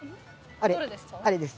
あれです